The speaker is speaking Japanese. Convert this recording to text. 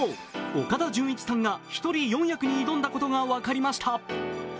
岡田准一さんが１人４役に挑んだことが分かりました。